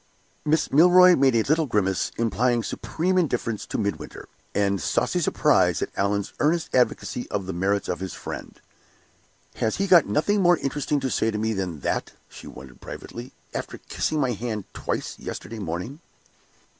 Miss Milroy made a little grimace, implying supreme indifference to Midwinter, and saucy surprise at Allan's earnest advocacy of the merits of his friend. "Has he got nothing more interesting to say to me than that," she wondered, privately, "after kissing my hand twice yesterday morning?"